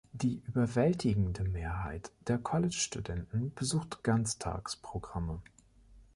Die überwältigende Mehrheit der College-Studenten besucht Ganztagsprogramme.